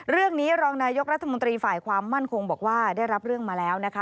เรื่องนี้รองนายกรัฐมนตรีฝ่ายความมั่นคงบอกว่าได้รับเรื่องมาแล้วนะคะ